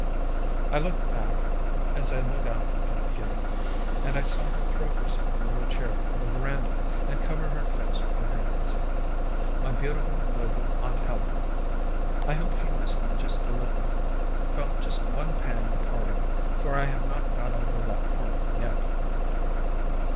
I looked back as I went out the front gate, and saw her throw herself into a chair on the veranda and cover her face with her hands. My beautiful noble aunt Helen! I hope she missed me just a little, felt just one pang of parting, for I have not got over that parting yet.